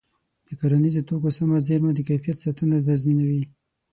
د کرنیزو توکو سمه زېرمه د کیفیت ساتنه تضمینوي.